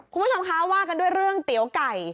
คุณผู้ชมคะว่ากันด้วยเรื่องเตี๋ยวไก่